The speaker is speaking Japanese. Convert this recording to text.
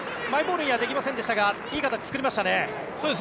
マイボールにはできませんでしたがいい形を作りましたね。